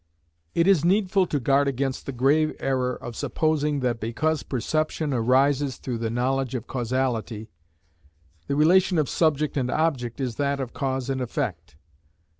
§ 5. It is needful to guard against the grave error of supposing that because perception arises through the knowledge of causality, the relation of subject and object is that of cause and effect.